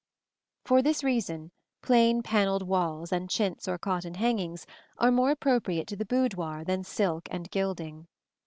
For this reason, plain panelled walls and chintz or cotton hangings are more appropriate to the boudoir than silk and gilding.